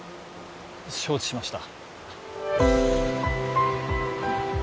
承知しました